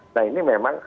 nah ini memang